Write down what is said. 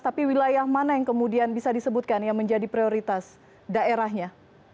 tapi wilayah mana yang kemudian bisa disebutkan yang menjadi prioritas daerahnya